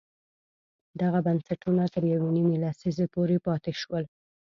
دغه بنسټونه تر یوې نیمې لسیزې پورې پاتې شول.